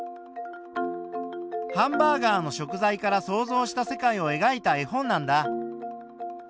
ハンバーガーの食材から想像した世界をえがいた絵本なんだ。